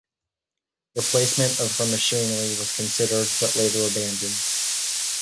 Replacement of her machinery was considered, but later abandoned.